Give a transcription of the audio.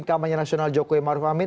tim kampanye nasional jokowi marufamin